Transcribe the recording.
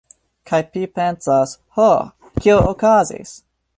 Kaj pi pensas, ho, kio okazis?